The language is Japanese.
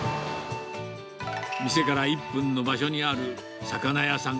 店から１分の場所にある、魚屋さん。